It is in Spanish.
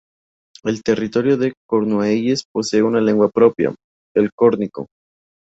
El territorio de Cornualles posee una lengua propia, el córnico.